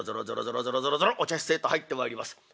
ぞろぞろぞろぞろお茶室へと入ってまいります。